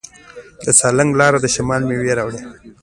د سالنګ لاره د شمال میوې راوړي.